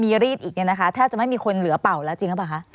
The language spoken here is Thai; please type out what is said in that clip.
อยู่กันไม่ใช่แค่แรกนี้